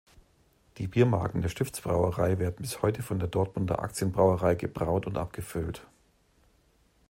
Die Biermarken der Stifts-Brauerei werden bis heute von der Dortmunder Actien-Brauerei gebraut und abgefüllt.